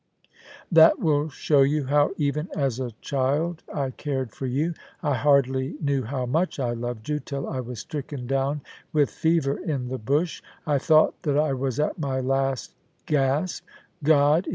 That will show you how even as a child I cared for you. I hardly knew how much I loved you till I was stricken down with fever in the bush. I thought that I was at my last gasp. God